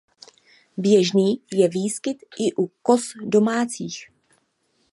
Běžný je výskyt i u koz domácích.